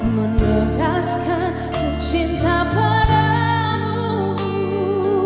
menegaskan ku cinta padamu